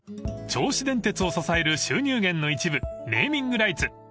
［銚子電鉄を支える収入源の一部ネーミングライツ］